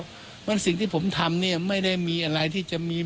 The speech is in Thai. เพราะฉะนั้นสิ่งที่ผมทำเนี่ยไม่ได้มีอะไรที่จะมี